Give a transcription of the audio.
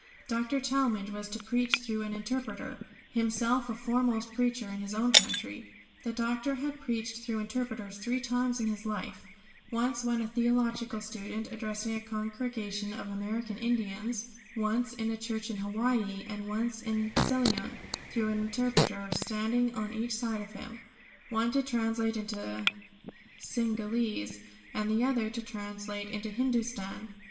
Dr. Talmage was to preach through an interpreter, himself a foremost preacher in his own country. The Doctor had preached through interpreters three times in his life; once when a theological student addressing a congregation of American Indians, once in a church in Hawaii, and once in Ceylon through an interpreter standing on each side of him, one to translate into Cingalese, and the other to translate into Hindustan.